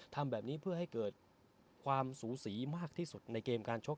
ทำแบบนี้เพื่อให้เกิดความสูสีมากที่สุดในเกมการชก